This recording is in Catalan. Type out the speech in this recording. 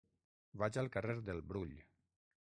Vaig al carrer del Brull.